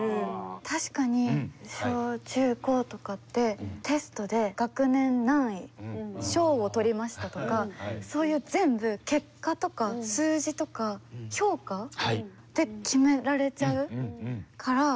確かに小・中・高とかってテストで学年何位賞をとりましたとかそういう全部結果とか数字とか評価って決められちゃうから。